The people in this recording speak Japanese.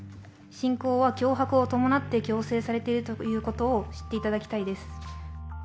信仰は脅迫を伴って強制されているということを知っていただきたいです。